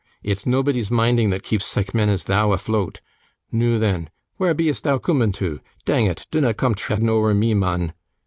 It's nobody's minding that keeps sike men as thou afloat. Noo then, where be'est thou coomin' to? Dang it, dinnot coom treadin' ower me, mun.